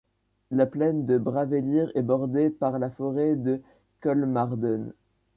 La plaine de Brávellir est bordée par la forêt de Kolmården.